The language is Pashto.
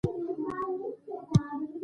دا ظرفيت او استعداد نه لري